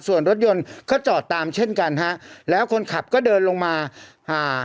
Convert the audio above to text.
ส่วนรถยนต์ก็จอดตามเช่นกันฮะแล้วคนขับก็เดินลงมาอ่า